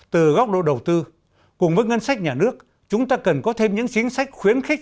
từ góc độ đầu tư cùng với ngân sách nhà nước chúng ta cần có thêm những chính sách khuyến khích